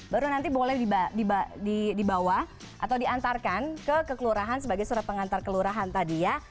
baru nanti boleh dibawa atau diantarkan ke kekelurahan sebagai surat pengantar kelurahan tadi ya